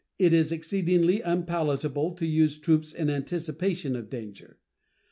It is exceedingly unpalatable to use troops in anticipation of danger.